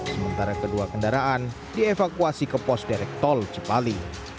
sementara kedua kendaraan dievakuasi ke pos direktol cipali